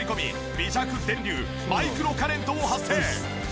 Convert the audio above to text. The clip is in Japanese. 微弱電流マイクロカレントを発生。